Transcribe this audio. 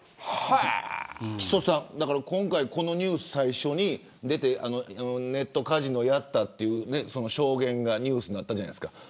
木曽さん、今回このニュース最初に出てネットカジノをやった証言がニュースになったじゃないですか。